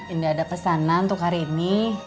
ini ada pesanan untuk hari ini